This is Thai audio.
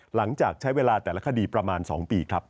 หลังจากใช้เวลาแต่ละคดีประมาณ๒ปีครับ